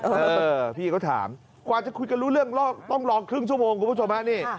เออพี่ก็ถามกว่าจะคุยกันรู้เรื่องต้องรอครึ่งชั่วโมงคุณผู้ชมฮะนี่